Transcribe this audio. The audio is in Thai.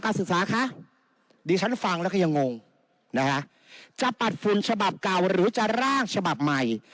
ภาษาค่ะดิฉันฟังที่อย่างงงนะฮะจะปรับมือฉบับเก่าหรือจะร่างฉบับใหม่